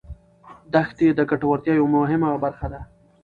دښتې د ګټورتیا یوه مهمه برخه ده.